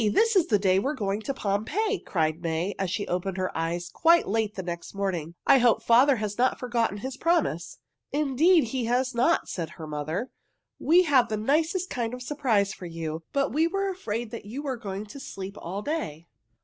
This is the day we are going to Pompeii!" cried May, as she opened her eyes quite late next morning. "I hope father has not forgotten his promise." "Indeed he has not!" said her mother. "We have the nicest kind of a surprise for you, but we were afraid you were going to sleep all day."